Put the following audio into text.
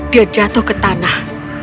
dia jatuh ke tanah